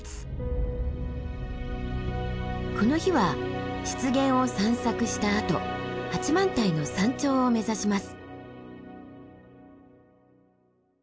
この日は湿原を散策したあと八幡平の山頂を目指します。